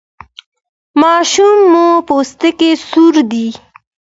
ماشوم مو پوستکی سور دی؟